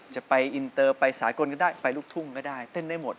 จะไปอินเตอร์สาโกลไปลุกทุ่งก็ได้ต้นได้หมด